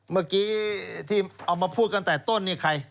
เมื่อกี้ที่เอามาพูดกันแต่ต้นนี่ใคร